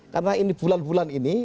karena ini bulan bulan ini